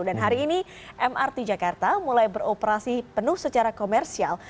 dan hari ini mrt jakarta mulai beroperasi penuh secara komersial